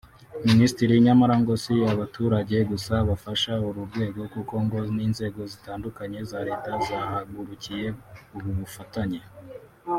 MinisitiriNyamara ngo si abaturage gusa bafasha uru rwego kuko ngo n’inzego zitandukanye za Leta zahagurukiye ubu bufatanye